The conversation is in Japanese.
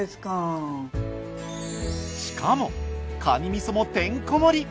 しかもかにみそもてんこ盛り。